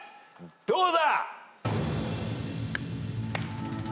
どうだ？